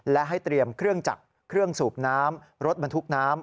และให้เตรียมเครื่องจักรเครื่องสูบน้ำรถบรรทุกน้ำ